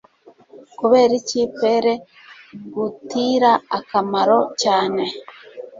kubera iki pere igutira akamaro cyane